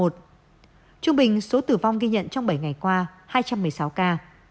trung bình số tử vong ghi nhận trong bảy ngày qua hai trăm một mươi sáu ca